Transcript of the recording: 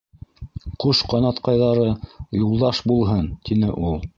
- Ҡош ҡанатҡайҙары юлдаш булһын! - тине ул.